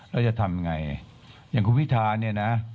เราจะทำยังไงอย่างคุณพิธาเนี่ยนะ